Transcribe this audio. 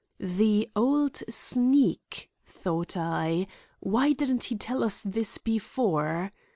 "The old sneak!" thought I. "Why didn't he tell us this before?"